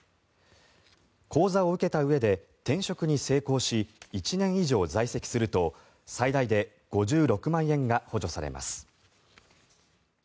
講座を受けたうえで転職に成功し１年以上在籍すると最大で５６万円が補助されます。